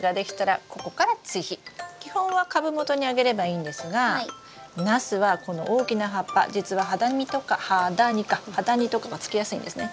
基本は株元にあげればいいんですがナスはこの大きな葉っぱ実はハダニとかがつきやすいんですね。